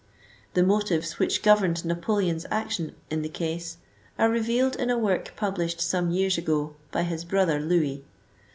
The motives which governed Napoleon's action in the case, are revealed in a work published some years ago by his brother Louis.